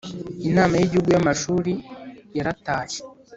Inama y Igihugu y Amashuri yaratashye